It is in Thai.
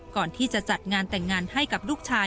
ก่อนที่จะจัดงานแต่งงานให้กับลูกชาย